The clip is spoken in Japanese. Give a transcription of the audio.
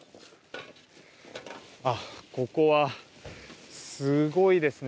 ここはすごいですね。